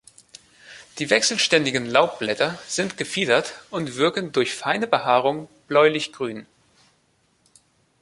Die wechselständigen Laubblätter sind gefiedert und wirken durch feine Behaarung bläulichgrün.